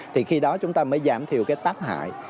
thì khi đó chúng ta mới giảm thiểu cái tác hại